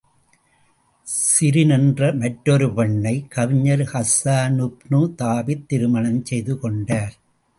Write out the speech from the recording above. ஸிரின் என்ற மற்றொரு பெண்ணைக் கவிஞர் ஹஸ்ஸானுப்னு தாபித் திருமணம் செய்து கொண்டார்.